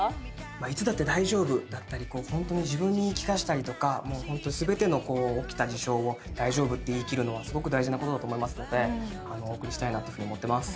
「いつだって大丈夫」だったりホントに自分に言い聞かせたりとか全ての起きた事象を「大丈夫」って言い切るのはすごく大事なことだと思いますのでお送りしたいなというふうに思ってます。